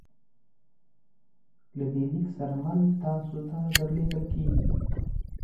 له دې لیک سره مل تاسو ته درلیږل کیږي